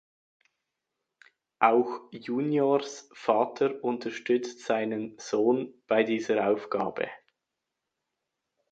Auch Juniors Vater unterstützt seinen Sohn bei dieser Aufgabe.